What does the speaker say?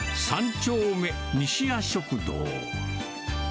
丁目にしや食堂。